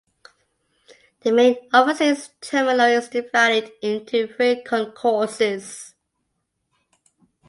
The Main Overseas Terminal is divided into three concourses.